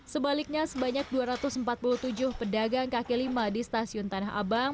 sebaliknya sebanyak dua ratus empat puluh tujuh pedagang kaki lima di stasiun tanah abang